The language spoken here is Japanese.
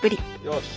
よし！